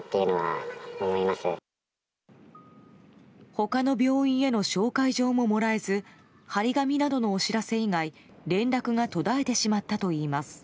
他の病院への紹介状ももらえず貼り紙などのお知らせ以外連絡が途絶えてしまったといいます。